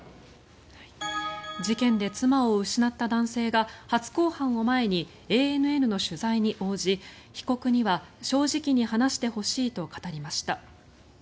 事件で妻を失った男性が初公判を前にＡＮＮの取材に応じ被告には正直に話してほしいと語りました。